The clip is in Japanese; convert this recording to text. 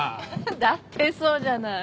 だってそうじゃない。